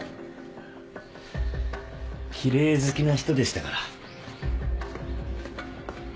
奇麗好きな人でしたから。